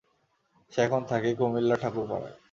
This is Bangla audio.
সে এখন থাকে কুমিল্লার ঠাকুরপাড়ায়।